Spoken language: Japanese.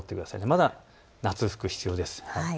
まだ夏服が必要です。